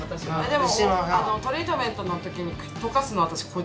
でもトリートメントの時にとかすの私これ。